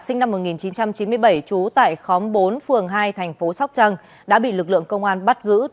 sinh năm hai nghìn đã bị gây án